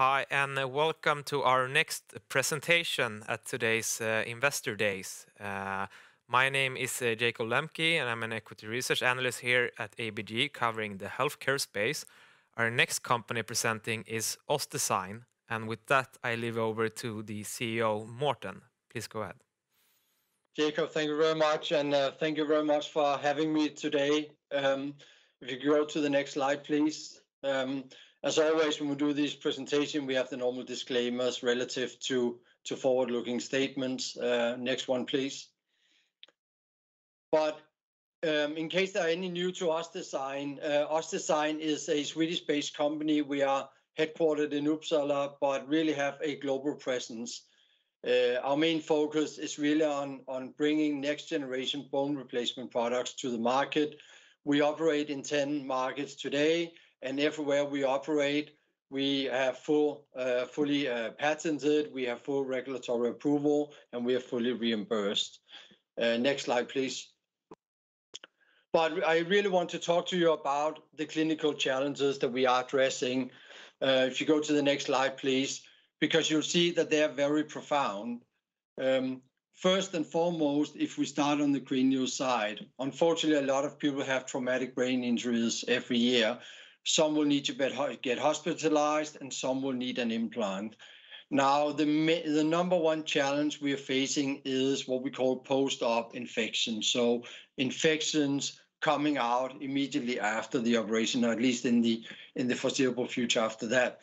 Hi, and welcome to our next presentation at today's Investor Days. My name is Jakob Lembke, and I'm an Equity Research Analyst here at ABG, covering the healthcare space. Our next company presenting is OssDsign. And with that, I leave it over to the CEO, Morten. Please go ahead. Jakob, thank you very much, and thank you very much for having me today. If you could go to the next slide, please. As always, when we do these presentations, we have the normal disclaimers relative to forward-looking statements. Next one, please, but in case there are any new to OssDsign, OssDsign is a Swedish-based company. We are headquartered in Uppsala but really have a global presence. Our main focus is really on bringing next-generation bone replacement products to the market. We operate in 10 markets today, and everywhere we operate, we have fully patented, we have full regulatory approval, and we are fully reimbursed. Next slide, please, but I really want to talk to you about the clinical challenges that we are addressing. If you go to the next slide, please, because you'll see that they are very profound. First and foremost, if we start on the cranial side, unfortunately, a lot of people have traumatic brain injuries every year. Some will need to get hospitalized, and some will need an implant. Now, the number one challenge we are facing is what we call post-op infections. So infections coming out immediately after the operation, or at least in the foreseeable future after that,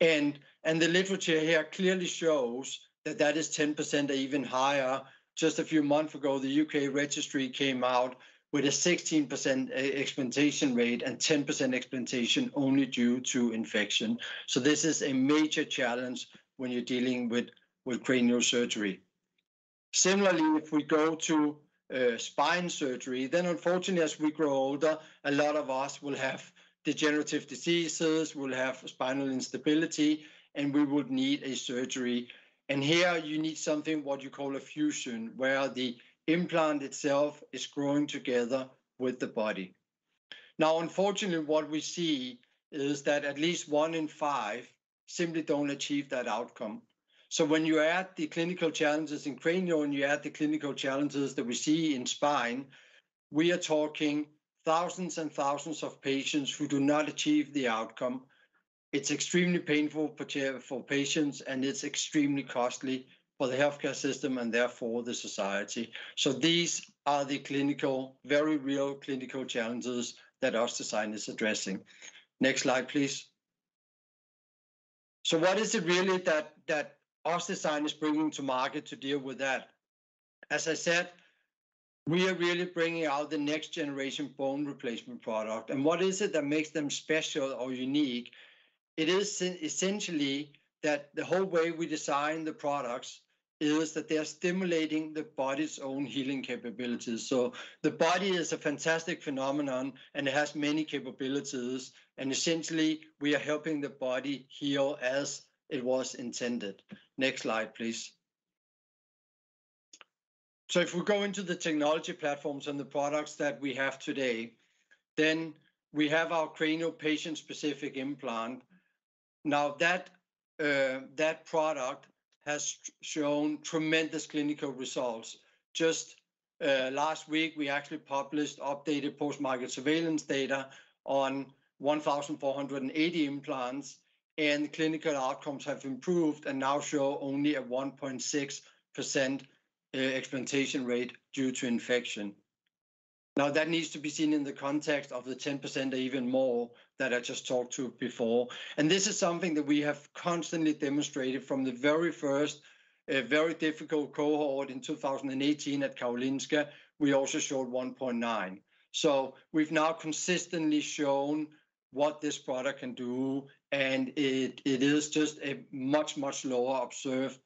and the literature here clearly shows that that is 10% or even higher. Just a few months ago, the U.K. registry came out with a 16% explantation rate and 10% explantation only due to infection, so this is a major challenge when you're dealing with cranial surgery. Similarly, if we go to spine surgery, then unfortunately, as we grow older, a lot of us will have degenerative diseases, will have spinal instability, and we would need a surgery. Here you need something what you call a fusion, where the implant itself is growing together with the body. Now, unfortunately, what we see is that at least one in five simply don't achieve that outcome. So when you add the clinical challenges in cranial and you add the clinical challenges that we see in spine, we are talking thousands and thousands of patients who do not achieve the outcome. It's extremely painful for patients, and it's extremely costly for the healthcare system and therefore the society. So these are the clinical, very real clinical challenges that OssDsign is addressing. Next slide, please. So what is it really that OssDsign is bringing to market to deal with that? As I said, we are really bringing out the next-generation bone replacement product. And what is it that makes them special or unique? It is essentially that the whole way we design the products is that they are stimulating the body's own healing capabilities. So the body is a fantastic phenomenon, and it has many capabilities. And essentially, we are helping the body heal as it was intended. Next slide, please. So if we go into the technology platforms and the products that we have today, then we have our cranial patient-specific implant. Now, that product has shown tremendous clinical results. Just last week, we actually published updated post-market surveillance data on 1,480 implants, and clinical outcomes have improved and now show only a 1.6% explantation rate due to infection. Now, that needs to be seen in the context of the 10% or even more that I just talked to before. And this is something that we have constantly demonstrated from the very first very difficult cohort in 2018 at Karolinska. We also showed 1.9. So we've now consistently shown what this product can do, and it is just a much, much lower observed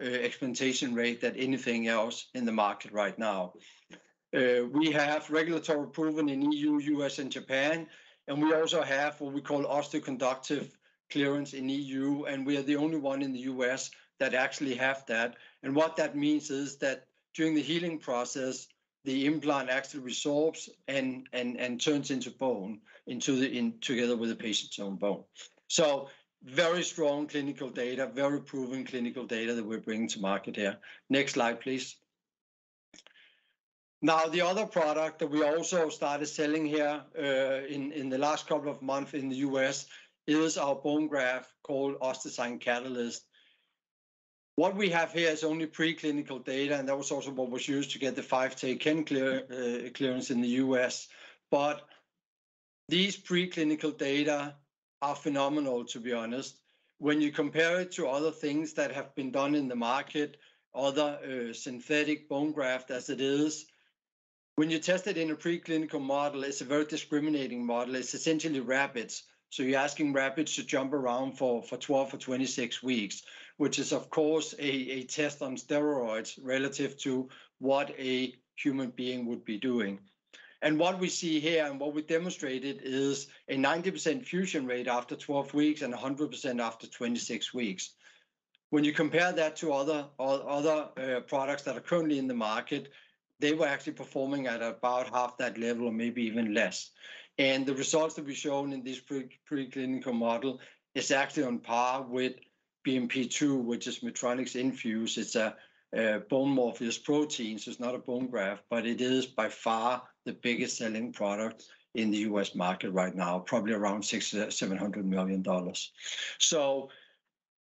expectation rate than anything else in the market right now. We have regulatory proven in EU, U.S., and Japan, and we also have what we call osteoconductive clearance in EU, and we are the only one in the U.S. that actually have that. And what that means is that during the healing process, the implant actually resorbs and turns into bone together with the patient's own bone. So very strong clinical data, very proven clinical data that we're bringing to market here. Next slide, please. Now, the other product that we also started selling here in the last couple of months in the U.S. is our bone graft called OssDsign Catalyst. What we have here is only preclinical data, and that was also what was used to get the 510(k) clearance in the U.S. But these preclinical data are phenomenal, to be honest. When you compare it to other things that have been done in the market, other synthetic bone graft as it is, when you test it in a preclinical model, it's a very discriminating model. It's essentially rabbits. So you're asking rabbits to jump around for 12 or 26 weeks, which is, of course, a test on steroids relative to what a human being would be doing. And what we see here and what we demonstrated is a 90% fusion rate after 12 weeks and 100% after 26 weeks. When you compare that to other products that are currently in the market, they were actually performing at about half that level or maybe even less. And the results that we've shown in this preclinical model is actually on par with BMP-2, which is Medtronic's Infuse. It's a bone morphogenetic protein, so it's not a bone graft, but it is by far the biggest selling product in the U.S. market right now, probably around $700 million. So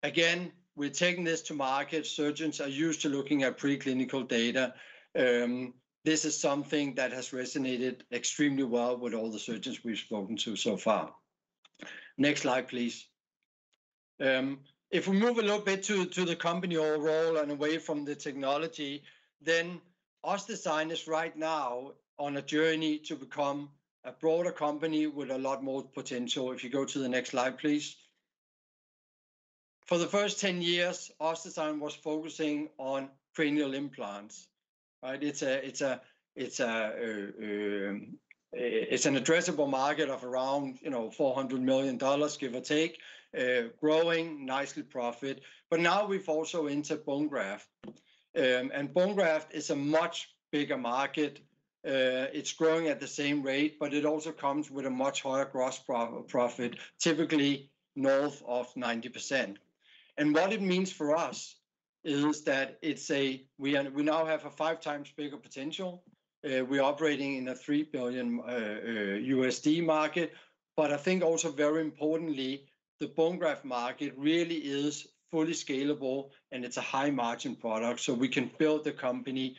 again, we're taking this to market. Surgeons are used to looking at preclinical data. This is something that has resonated extremely well with all the surgeons we've spoken to so far. Next slide, please. If we move a little bit to the company overall and away from the technology, then OssDsign is right now on a journey to become a broader company with a lot more potential. If you go to the next slide, please. For the first 10 years, OssDsign was focusing on cranial implants. It's an addressable market of around $400 million, give or take, growing nicely, profit. But now we've also entered bone graft. And bone graft is a much bigger market. It's growing at the same rate, but it also comes with a much higher gross profit, typically north of 90%. And what it means for us is that we now have a five times bigger potential. We're operating in a $3 billion market. But I think also very importantly, the bone graft market really is fully scalable, and it's a high-margin product. So we can build the company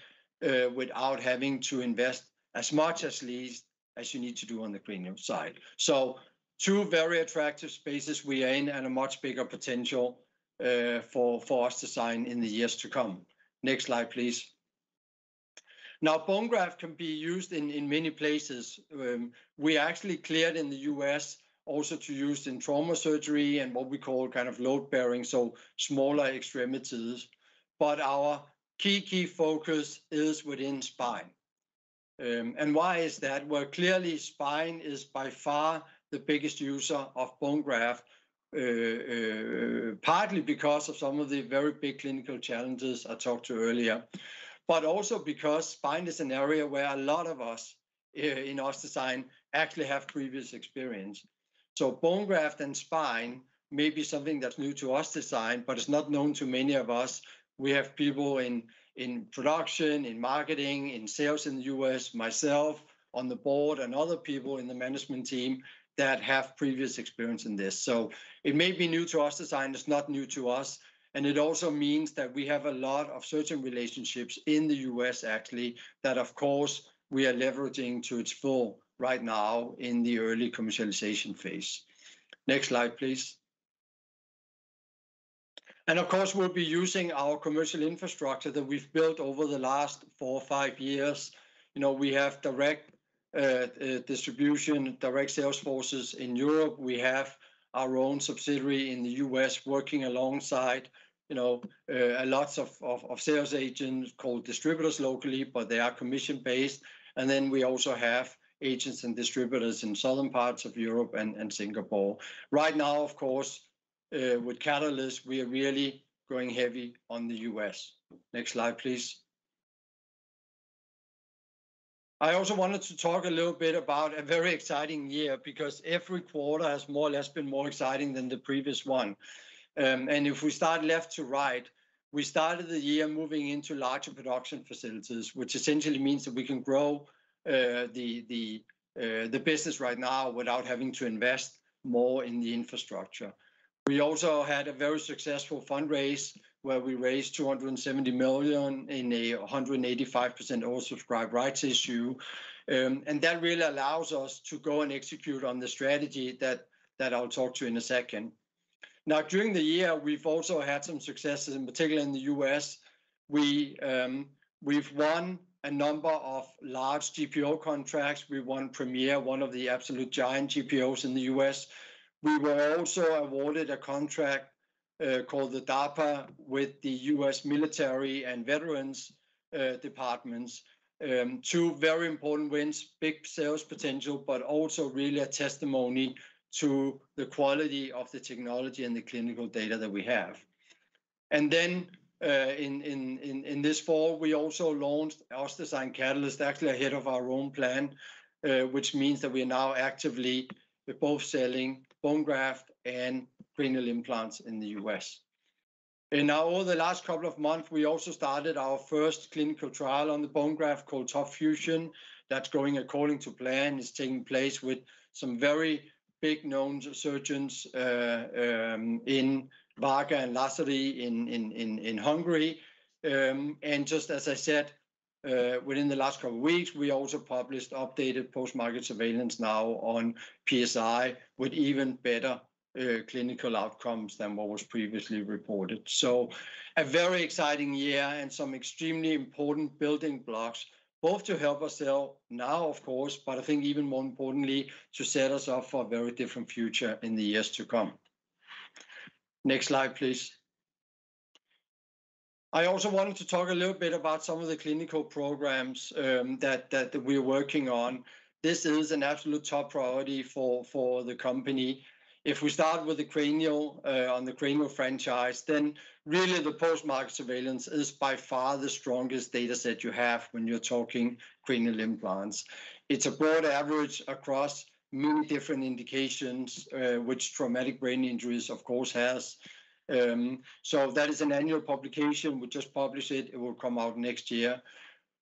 without having to invest as much, at least, as you need to do on the cranial side. So two very attractive spaces we are in and a much bigger potential for OssDsign in the years to come. Next slide, please. Now, bone graft can be used in many places. We actually cleared in the U.S. also to use in trauma surgery and what we call kind of load-bearing, so smaller extremities. But our key, key focus is within spine. And why is that? Well, clearly, spine is by far the biggest user of bone graft, partly because of some of the very big clinical challenges I talked to earlier, but also because spine is an area where a lot of us in OssDsign actually have previous experience. So bone graft and spine may be something that's new to OssDsign, but it's not known to many of us. We have people in production, in marketing, in sales in the U.S., myself on the board, and other people in the management team that have previous experience in this. So it may be new to OssDsign. It's not new to us. And it also means that we have a lot of certain relationships in the U.S., actually, that, of course, we are leveraging to its full right now in the early commercialization phase. Next slide, please. And of course, we'll be using our commercial infrastructure that we've built over the last four or five years. We have direct distribution, direct sales forces in Europe. We have our own subsidiary in the U.S. working alongside lots of sales agents called distributors locally, but they are commission-based. And then we also have agents and distributors in southern parts of Europe and Singapore. Right now, of course, with Catalyst, we are really going heavy on the U.S. Next slide, please. I also wanted to talk a little bit about a very exciting year because every quarter has more or less been more exciting than the previous one. If we start left to right, we started the year moving into larger production facilities, which essentially means that we can grow the business right now without having to invest more in the infrastructure. We also had a very successful fundraise where we raised 270 million in a 185% oversubscribed rights issue. And that really allows us to go and execute on the strategy that I'll talk to in a second. Now, during the year, we've also had some successes, in particular in the U.S. We've won a number of large GPO contracts. We won Premier, one of the absolute giant GPOs in the U.S. We were also awarded a contract called the DAPA with the U.S. Military and Veterans Departments. Two very important wins, big sales potential, but also really a testimony to the quality of the technology and the clinical data that we have. And then in this fall, we also launched OssDsign Catalyst, actually ahead of our own plan, which means that we are now actively both selling bone graft and cranial implants in the U.S. And now, over the last couple of months, we also started our first clinical trial on the bone graft called TOP FUSION that's going according to plan. It's taking place with some very well-known surgeons in Varga and László in Hungary. And just as I said, within the last couple of weeks, we also published updated post-market surveillance now on PSI with even better clinical outcomes than what was previously reported. So a very exciting year and some extremely important building blocks, both to help us now, of course, but I think even more importantly, to set us up for a very different future in the years to come. Next slide, please. I also wanted to talk a little bit about some of the clinical programs that we are working on. This is an absolute top priority for the company. If we start with the cranial on the cranial franchise, then really the post-market surveillance is by far the strongest data set you have when you're talking cranial implants. It's a broad average across many different indications, which traumatic brain injuries, of course, has. So that is an annual publication. We just published it. It will come out next year.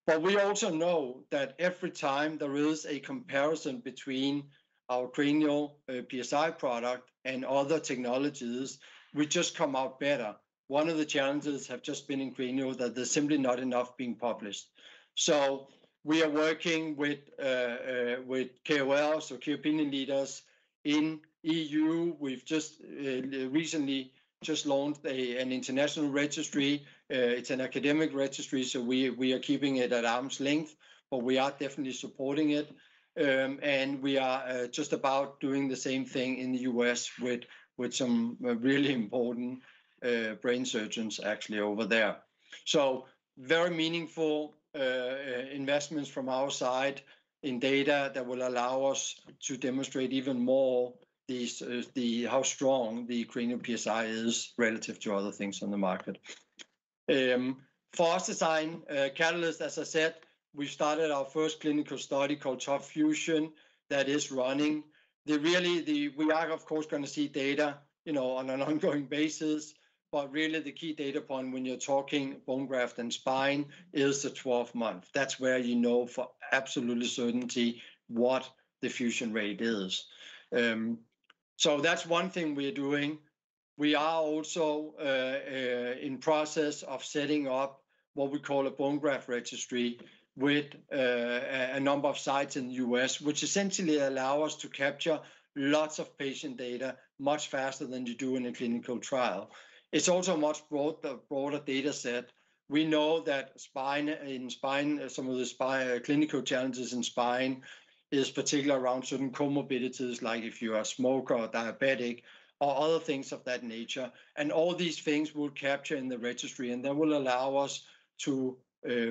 But we also know that every time there is a comparison between our cranial PSI product and other technologies, we just come out better. One of the challenges has just been in cranial that there's simply not enough being published. So we are working with KOLs, so key opinion leaders in EU. We've just recently just launched an international registry. It's an academic registry, so we are keeping it at arm's length, but we are definitely supporting it, and we are just about doing the same thing in the U.S. with some really important brain surgeons actually over there, so very meaningful investments from our side in data that will allow us to demonstrate even more how strong the Cranial PSI is relative to other things on the market. For OssDsign Catalyst, as I said, we started our first clinical study called TOP FUSION that is running. We are, of course, going to see data on an ongoing basis, but really the key data point when you're talking bone graft and spine is the 12th month. That's where you know for absolute certainty what the fusion rate is, so that's one thing we are doing. We are also in process of setting up what we call a bone graft registry with a number of sites in the U.S., which essentially allow us to capture lots of patient data much faster than you do in a clinical trial. It's also a much broader data set. We know that in spine, some of the clinical challenges in spine is particularly around certain comorbidities, like if you are a smoker or diabetic or other things of that nature. And all these things will capture in the registry, and that will allow us to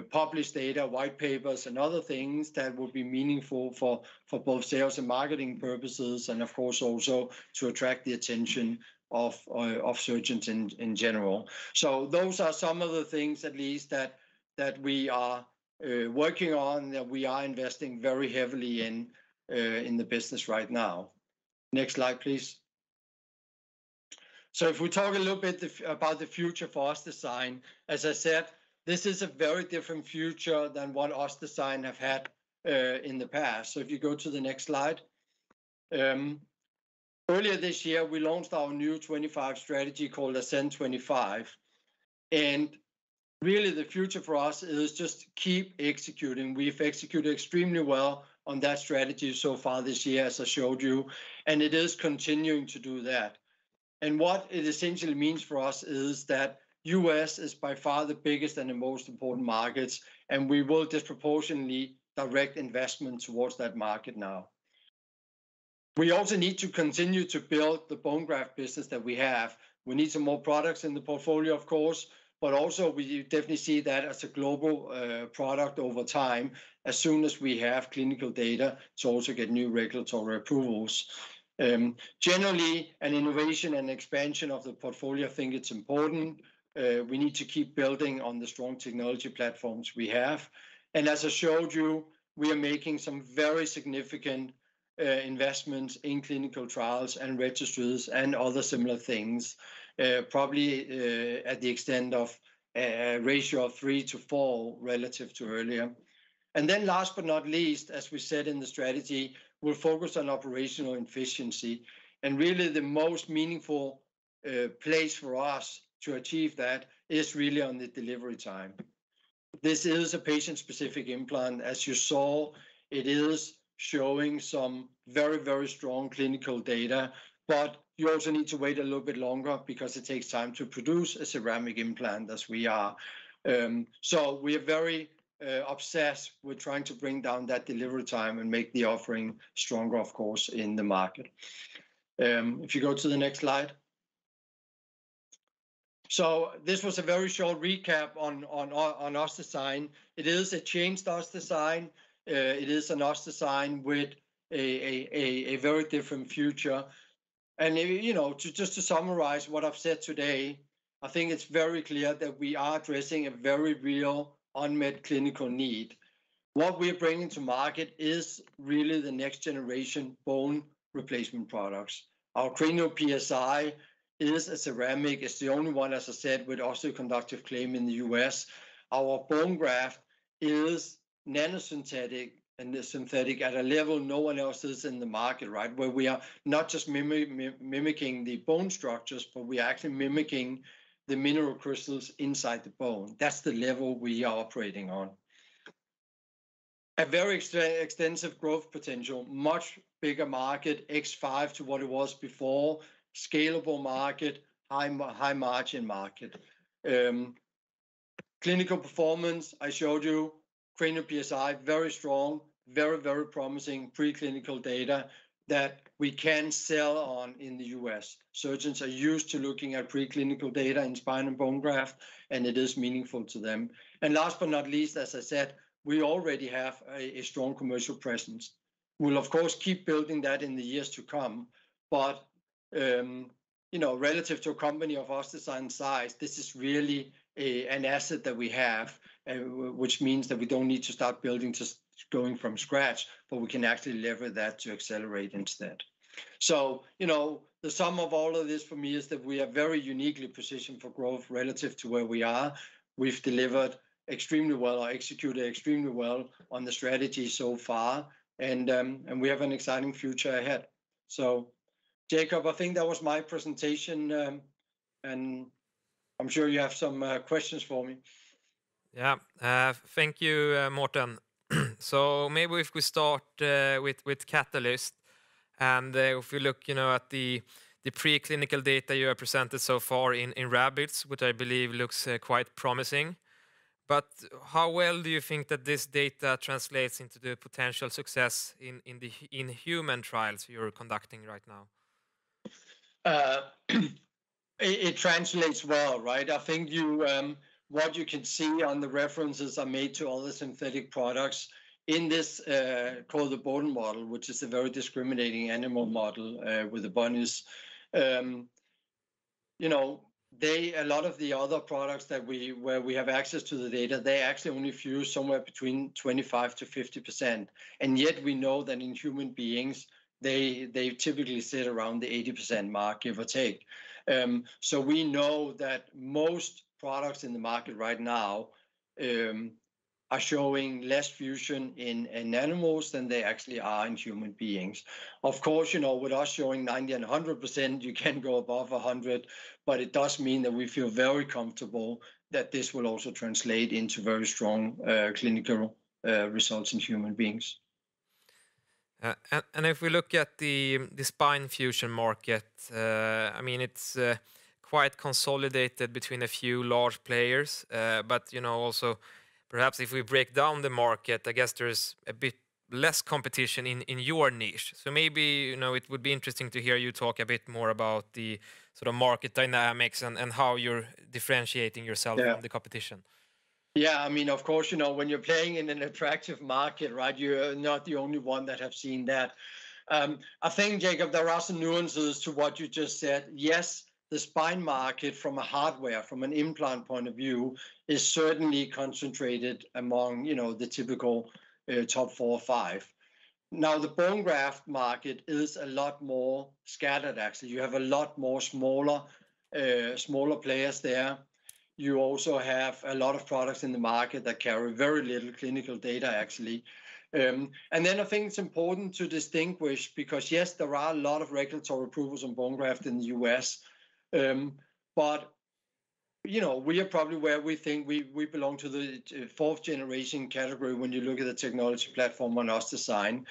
publish data, white papers, and other things that will be meaningful for both sales and marketing purposes, and of course, also to attract the attention of surgeons in general. So those are some of the things, at least, that we are working on, that we are investing very heavily in the business right now. Next slide, please. So if we talk a little bit about the future for OssDsign, as I said, this is a very different future than what OssDsign have had in the past. So if you go to the next slide. Earlier this year, we launched our new 25 strategy called ASCENT25. And really, the future for us is just keep executing. We've executed extremely well on that strategy so far this year, as I showed you, and it is continuing to do that. And what it essentially means for us is that U.S. is by far the biggest and the most important markets, and we will disproportionately direct investment towards that market now. We also need to continue to build the bone graft business that we have. We need some more products in the portfolio, of course, but also we definitely see that as a global product over time, as soon as we have clinical data to also get new regulatory approvals. Generally, an innovation and expansion of the portfolio. I think it's important. We need to keep building on the strong technology platforms we have, and as I showed you, we are making some very significant investments in clinical trials and registries and other similar things, probably at the extent of a ratio of three to four relative to earlier, and then last but not least, as we said in the strategy, we'll focus on operational efficiency, and really, the most meaningful place for us to achieve that is really on the delivery time. This is a patient-specific implant as you saw, it is showing some very, very strong clinical data, but you also need to wait a little bit longer because it takes time to produce a ceramic implant as we are. So we are very obsessed with trying to bring down that delivery time and make the offering stronger, of course, in the market. If you go to the next slide. So this was a very short recap on OssDsign. It is a changed OssDsign. It is an OssDsign with a very different future. And just to summarize what I've said today, I think it's very clear that we are addressing a very real unmet clinical need. What we are bringing to market is really the next generation bone replacement products. Our Cranial PSI is a ceramic. It's the only one, as I said, with osteoconductive claim in the U.S. Our bone graft is nanosynthetic and synthetic at a level no one else is in the market, right, where we are not just mimicking the bone structures, but we are actually mimicking the mineral crystals inside the bone. That's the level we are operating on. A very extensive growth potential, much bigger market, x5 to what it was before, scalable market, high-margin market. Clinical performance, I showed you, Cranial PSI, very strong, very, very promising preclinical data that we can sell on in the U.S. Surgeons are used to looking at preclinical data in spine and bone graft, and it is meaningful to them. And last but not least, as I said, we already have a strong commercial presence. We'll, of course, keep building that in the years to come. But relative to a company of OssDsign size, this is really an asset that we have, which means that we don't need to start building just going from scratch, but we can actually lever that to accelerate instead. So the sum of all of this for me is that we are very uniquely positioned for growth relative to where we are. We've delivered extremely well or executed extremely well on the strategy so far, and we have an exciting future ahead. So Jakob, I think that was my presentation, and I'm sure you have some questions for me. Yeah. Thank you, Morten. So maybe if we start with Catalyst, and if we look at the preclinical data you have presented so far in rabbits, which I believe looks quite promising. But how well do you think that this data translates into the potential success in human trials you're conducting right now? It translates well, right? I think what you can see on the references are made to all the synthetic products in this called the Boden model, which is a very discriminating animal model with a bonus. A lot of the other products where we have access to the data, they actually only fuse somewhere between 25%-50%. And yet we know that in human beings, they typically sit around the 80% mark, give or take. So we know that most products in the market right now are showing less fusion in animals than they actually are in human beings. Of course, with us showing 90% and 100%, you can go above 100%, but it does mean that we feel very comfortable that this will also translate into very strong clinical results in human beings. And if we look at the spine fusion market, I mean, it's quite consolidated between a few large players. But also, perhaps if we break down the market, I guess there's a bit less competition in your niche. So maybe it would be interesting to hear you talk a bit more about the market dynamics and how you're differentiating yourself from the competition. Yeah. I mean, of course, when you're playing in an attractive market, you're not the only one that has seen that. I think, Jakob, there are some nuances to what you just said. Yes, the spine market from a hardware, from an implant point of view, is certainly concentrated among the typical top four or five. Now, the bone graft market is a lot more scattered, actually. You have a lot more smaller players there. You also have a lot of products in the market that carry very little clinical data, actually. And then I think it's important to distinguish because, yes, there are a lot of regulatory approvals on bone graft in the U.S. But we are probably where we think we belong to the fourth-generation category when you look at the technology platform on OssDsign.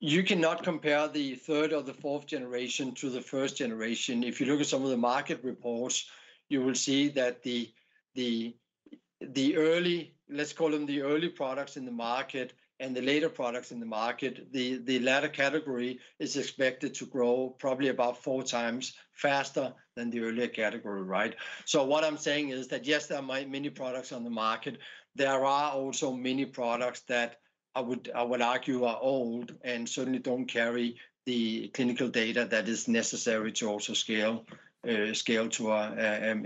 You cannot compare the third or the fourth generation to the first generation. If you look at some of the market reports, you will see that the early, let's call them the early products in the market and the later products in the market, the latter category is expected to grow probably about four times faster than the earlier category, right? So what I'm saying is that, yes, there are many products on the market. There are also many products that I would argue are old and certainly don't carry the clinical data that is necessary to also scale to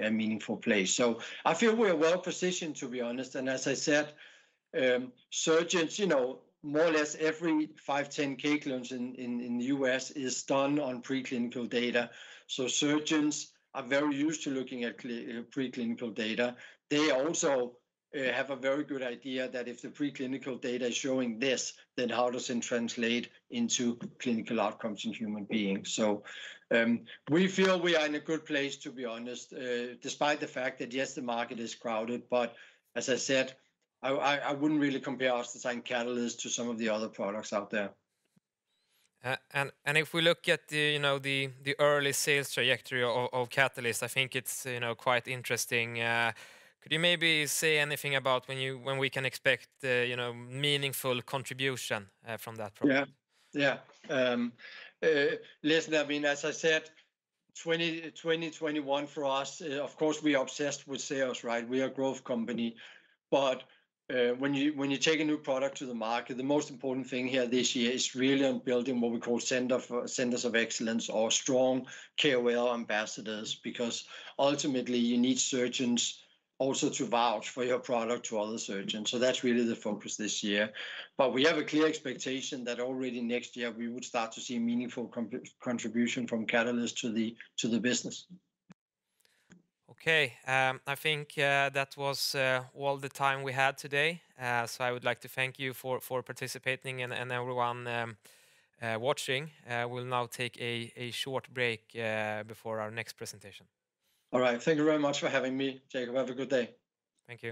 a meaningful place. So I feel we are well positioned, to be honest, and as I said, surgeons, more or less every 510(k) clearance in the U.S. is done on preclinical data. So surgeons are very used to looking at preclinical data. They also have a very good idea that if the preclinical data is showing this, then how does it translate into clinical outcomes in human beings? So we feel we are in a good place, to be honest, despite the fact that, yes, the market is crowded, but as I said, I wouldn't really compare OssDsign Catalyst to some of the other products out there. And if we look at the early sales trajectory of Catalyst, I think it's quite interesting. Could you maybe say anything about when we can expect meaningful contribution from that product? Yeah. Yeah. Listen, I mean, as I said, 2021 for us, of course, we are obsessed with sales, right? We are a growth company. But when you take a new product to the market, the most important thing here this year is really on building what we call Centers of Excellence or strong KOL ambassadors because ultimately, you need surgeons also to vouch for your product to other surgeons. So that's really the focus this year. But we have a clear expectation that already next year, we would start to see meaningful contribution from Catalyst to the business. Okay. I think that was all the time we had today. So I would like to thank you for participating and everyone watching. We'll now take a short break before our next presentation. All right. Thank you very much for having me, Jakob. Have a good day. Thank you.